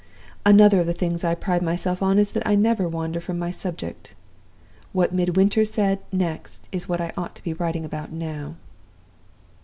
Another of the things I pride myself on is that I never wander from my subject. What Midwinter said next is what I ought to be writing about now."